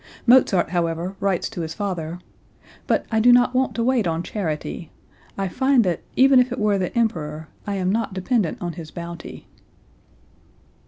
Mozart, however, writes to his father: "But I do not want to wait on charity; I find that, even if it were the Emperor, I am not dependent on his bounty.")